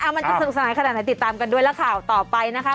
มันจะสนุกสนานขนาดไหนติดตามกันด้วยแล้วข่าวต่อไปนะคะ